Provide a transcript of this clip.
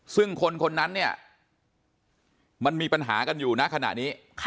ซึ่งคนคนนั้นเนี่ยมันมีปัญหากันอยู่นะขณะนี้